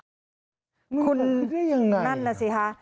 คุณนั่นน่ะสิคะ